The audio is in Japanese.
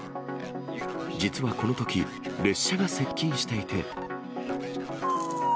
実はこのとき、列車が接近していて。